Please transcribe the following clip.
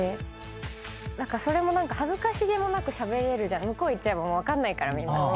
それも何か恥ずかしげもなくしゃべれる向こう行っちゃえば分かんないからみんな。